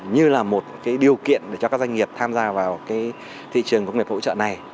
như là một điều kiện để cho các doanh nghiệp tham gia vào thị trường công nghiệp hỗ trợ này